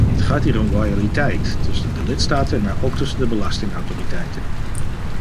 Het gaat hier om loyaliteit - tussen de lidstaten, maar ook tussen de belastingautoriteiten.